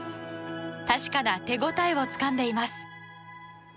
確かな手応えをつかんでいます。